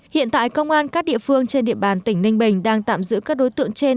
hiện tại công an các địa phương trên địa bàn tỉnh ninh bình đang tạm giữ các đối tượng trên